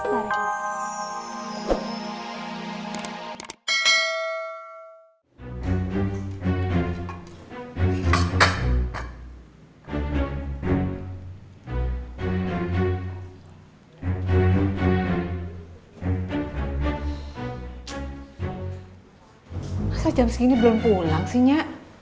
masa jam segini belum pulang sinya